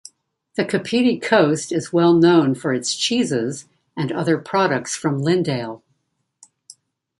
The Kapiti Coast is well known for its cheeses and other products from Lindale.